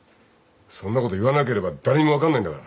そんなこと言わなければ誰にも分かんないんだから。